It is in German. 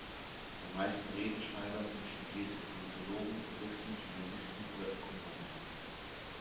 Die meisten Redenschreiber sind studierte Politologen, Juristen, Journalisten oder Ökonomen.